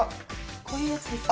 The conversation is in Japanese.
こういうやつですよ